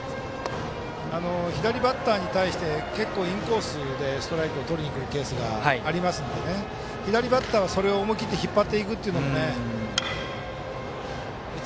左バッターに対して結構インコースでストライクをとりにくるケースがありますので左バッターはそれを思い切って引っ張っていくというのもね。